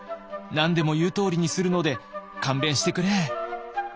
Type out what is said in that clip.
何でも言うとおりにするので勘弁してくれ」。